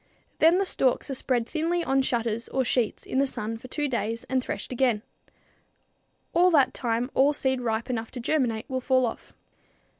Then the stalks are spread thinly on shutters or sheets in the sun for two days and threshed again. At that time all seed ripe enough to germinate will fall off.